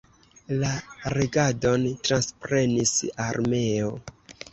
La regadon transprenis armeo.